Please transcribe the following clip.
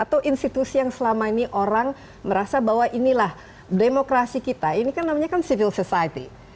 atau institusi yang selama ini orang merasa bahwa inilah demokrasi kita ini kan namanya kan civil society